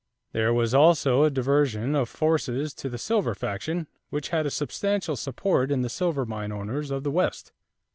There was also a diversion of forces to the silver faction which had a substantial support in the silver mine owners of the West.